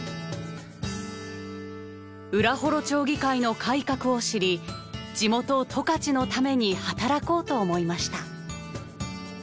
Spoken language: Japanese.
浦幌町議会の改革を知り地元十勝のために働こうと思いました。